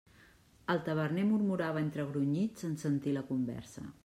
El taverner murmurava entre grunyits en sentir la conversa.